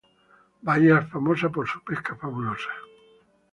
Bahía es famosa por su pesca fabulosa.